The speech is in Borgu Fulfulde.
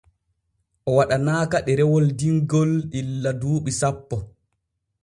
O waɗanaaka ɗerewol dimgil illa duuɓi sappo.